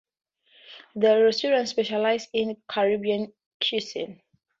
The restaurant specialized in Caribbean cuisine.